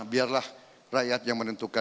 biarlah rakyat yang menentukan